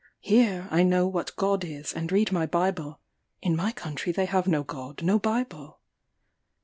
Here, I know what God is, and read my Bible; in my country they have no God, no Bible."